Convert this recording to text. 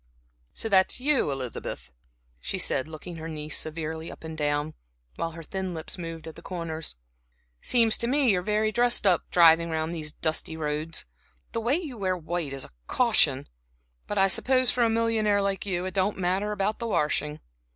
"So that's you, Elizabeth," she said, looking her niece severely up and down, while her thin lips moved at the corners. "It seems to me you're very much dressed up, driving round these dusty roads. The way you wear white is a caution! But I suppose for a millionaire like you it don't matter about the washing."